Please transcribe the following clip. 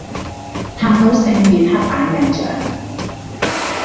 探討性別刻板印象